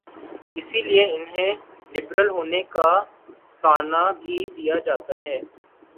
اسی لیے انہیں لبرل ہونے کا طعنہ بھی دیا جاتا ہے۔